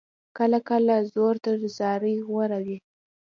کله کله زور تر زارۍ غوره وي.